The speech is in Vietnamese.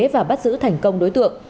và bắt giữ thành công đối tượng